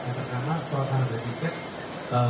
yang pertama soal harga tiket